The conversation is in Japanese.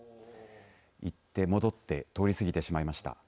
行って戻って通り過ぎてしまいました。